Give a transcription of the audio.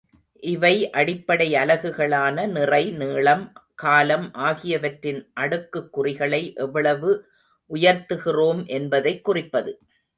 இவை அடிப்படை அலகுகளான நிறை, நீளம், காலம் ஆகியவற்றின் அடுக்குக்குறிகளை எவ்வளவு உயர்த்துகிறோம் என்பதைக் குறிப்பது.